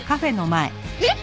えっ！？